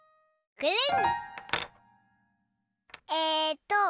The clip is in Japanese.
くるん。